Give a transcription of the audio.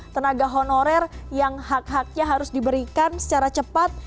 tenaga honorer yang hak haknya harus diberikan secara cepat